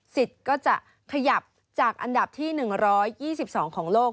ก็จะขยับจากอันดับที่๑๒๒ของโลก